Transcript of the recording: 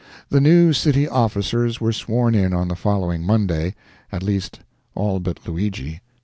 The new city officers were sworn in on the following Monday at least all but Luigi.